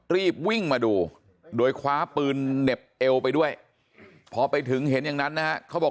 รีบวิ่งมาดูโดยคว้าปืนเหน็บเอวไปด้วยพอไปถึงเห็นอย่างนั้นนะฮะเขาบอก